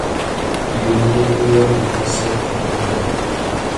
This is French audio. Il est nommé meilleur défenseur du tournoi.